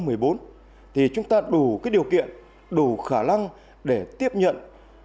với đồng tiền chúng ta đủ điều kiện đủ khả năng để tiếp nhận